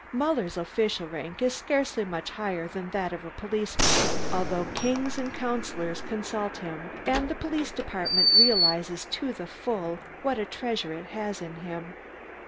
Muller's official rank is scarcely much higher than that of a policeman, although kings and councillors consult him and the Police Department realises to the full what a treasure it has in him.